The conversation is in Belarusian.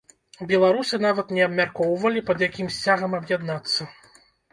Беларусы нават не абмяркоўвалі, пад якім сцягам аб'яднацца.